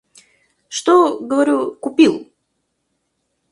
Что, говорю, купил?